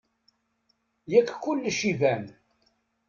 Yak kulec iban.